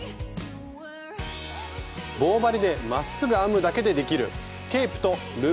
棒針でまっすぐ編むだけでできるケープとルームソックス。